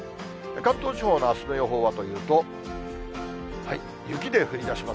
関東地方のあすの予報はというと、雪で降りだします。